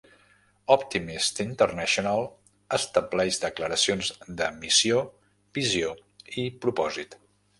Optimist International estableix declaracions de missió, visió i propòsit.